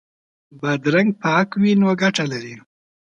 بادرنګ پاک وي نو ګټه لري.